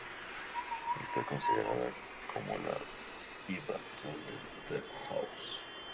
Está considerada como la diva actual del "deep house".